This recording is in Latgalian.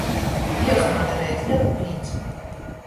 Jius maņ darejot lelu prīcu.